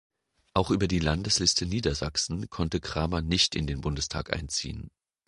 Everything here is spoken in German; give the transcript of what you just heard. Auch über die Landesliste Niedersachsen konnte Kramer nicht in den Bundestag einziehen.